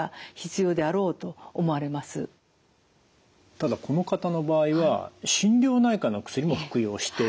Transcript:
ただこの方の場合は心療内科の薬も服用している。